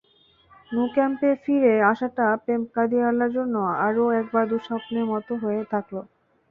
Nou ক্যাম্পে ফিরে আসাটা পেপ গার্দিওলার জন্যও আরও একবার দুঃস্বপ্নের মতো হয়ে থাকল।